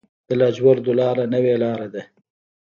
د لاجوردو لاره نوې لاره ده